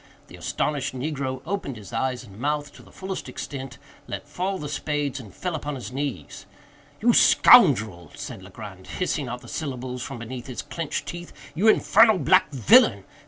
The astonished negro opened his eyes and mouth to the fullest extent, let fall the spades, and fell upon his knees. "You scoundrel," said Legrand, hissing out the syllables from between his clenched teeth—"you infernal black villain!